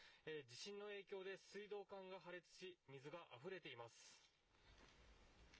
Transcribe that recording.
地震の影響で水道管が破裂し水があふれています。